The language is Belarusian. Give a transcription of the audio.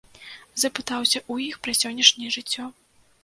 Запытаўся ў іх пра сённяшняе жыццё.